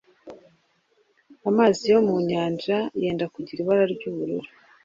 amazi yo munyanja yenda kugira ibara ry’ubururu.